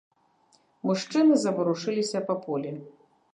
Мужчыны заварушыліся па полі.